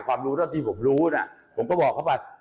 ความรู้ที่ผมรู้เนี่ยผมก็บอกเขาไป